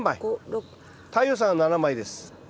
太陽さんは７枚です。